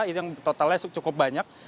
itu yang totalnya cukup banyak